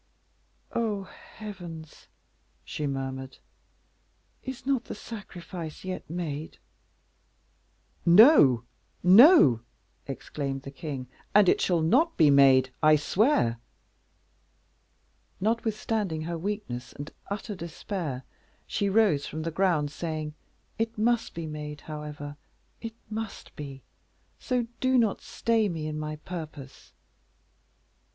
"Oh, heavens!" she murmured, "is not the sacrifice yet made?" "No, no!" exclaimed the king, "and it shall not be made, I swear." Notwithstanding her weakness and utter despair, she rose from the ground, saying, "It must be made, however; it must be; so do not stay me in my purpose."